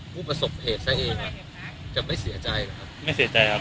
ผู้ประสบเหตุใส่เองจะไม่เสียใจหรอครับ